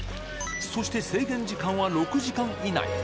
そして、制限時間は６時間以内。